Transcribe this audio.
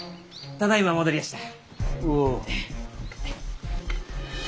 ただいま戻りやした。